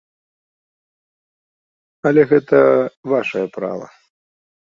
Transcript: Але гэта вашае права.